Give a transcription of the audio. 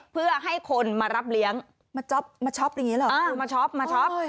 เพื่อให้คนมารับเลี้ยงมาช็อปแบบนี้เหรอคุณเออมาช็อปมาช็อป